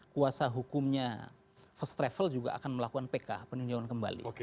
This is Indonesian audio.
kuasa hukumnya first travel juga akan melakukan pk peninjauan kembali